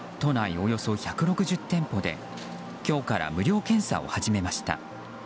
およそ１６０店舗で今日から無料検査を始めました。